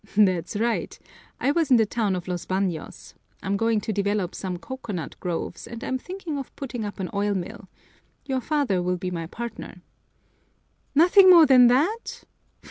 "That's right! I was in the town of Los Baños. I'm going to develop some coconut groves and I'm thinking of putting up an oil mill. Your father will be my partner." "Nothing more than that?